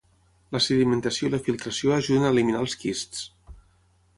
La sedimentació i la filtració ajuden a eliminar els quists.